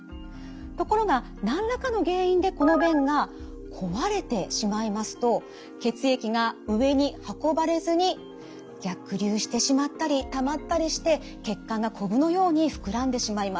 ところが何らかの原因でこの弁が壊れてしまいますと血液が上に運ばれずに逆流してしまったりたまったりして血管がこぶのように膨らんでしまいます。